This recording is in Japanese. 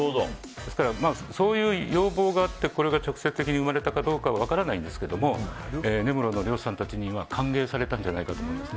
そういう要望があって直接的に生まれたかどうかは分からないんですけども根室の漁師さんたちには歓迎されたんじゃないかと思います。